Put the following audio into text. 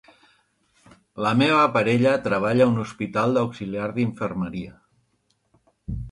La meva parella treballa a un hospital d'auxiliar d'infermeria.